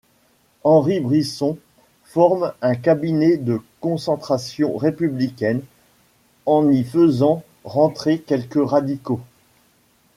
Henri Brisson forme un cabinet de concentration républicaine, en y faisant rentrer quelques radicaux.